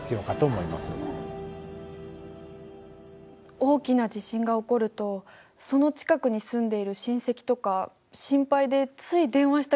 大きな地震が起こるとその近くに住んでいる親戚とか心配でつい電話したくなっちゃったりするよね。